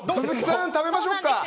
鈴木さん食べましょうか。